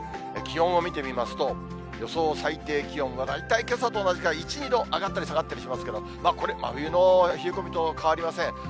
気温を見てみますと、予想最低気温は大体けさと同じか１、２度上がったり下がったりしますけど、これ、真冬の冷え込みと変わりません。